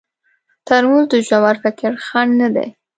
ترموز د ژور فکر خنډ نه دی.